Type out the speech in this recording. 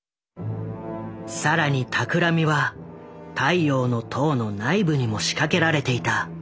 更に企みは「太陽の塔」の内部にも仕掛けられていた。